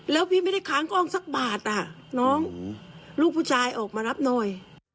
แล้วพี่ไม่ได้ค้างกล้องสักบาทน้องลูกผู้ชายออกมารับหน่อย